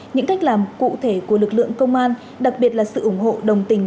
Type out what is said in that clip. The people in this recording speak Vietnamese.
những cách làm cụ thể của lực lượng công an đặc biệt là sự ủng hộ đồng tình